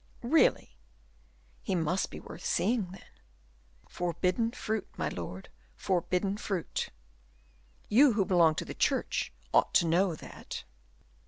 "Really! he must be worth seeing, then?" "Forbidden fruit, my lord; forbidden fruit. You who belong to the church ought to know that."